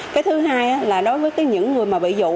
cái thứ hai là đối với những người mà bị dụ